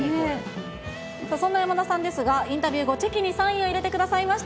そんな山田さんですが、インタビュー後、チェキにサインを入れてくださいました。